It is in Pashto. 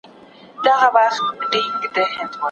آیا مېوې د اعصابو په ارامولو کې رول لري؟